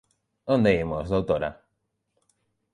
Onde imos, doutora?